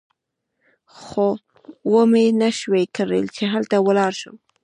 خو ومې نه شوای کړای چې هلته ولاړ شم.